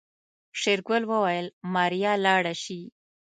شېرګل وويل ماريا لاړه شي.